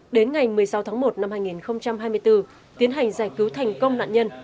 đến ngày một mươi sáu tháng một năm hai nghìn hai mươi bốn tiến hành giải cứu thành công nạn nhân